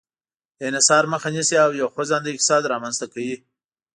د انحصار مخه نیسي او یو خوځنده اقتصاد رامنځته کوي.